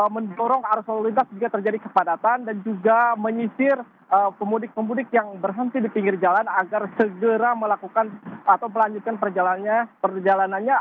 mendorong arus lalu lintas jika terjadi kepadatan dan juga menyisir pemudik pemudik yang berhenti di pinggir jalan agar segera melakukan atau melanjutkan perjalanannya